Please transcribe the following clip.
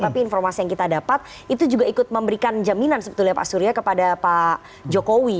tapi informasi yang kita dapat itu juga ikut memberikan jaminan sebetulnya pak surya kepada pak jokowi